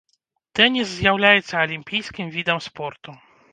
Тэніс з'яўляецца алімпійскім відам спорту.